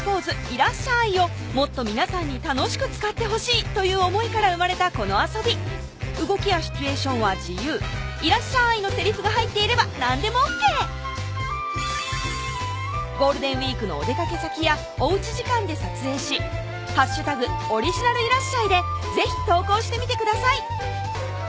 「いらっしゃい！」をもっと皆さんに楽しく使ってほしいという思いから生まれたこの遊び動きやシチュエーションは自由「いらっしゃい！」のせりふが入っていれば何でもＯＫＧＷのお出かけ先やおうち時間で撮影し「＃オリジナルいらっしゃい！」で是非投稿してみてください